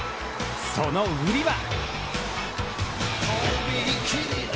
その売りは。